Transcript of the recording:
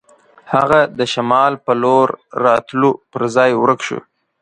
هغه د شمال په لور راتلو پر ځای ورک شو.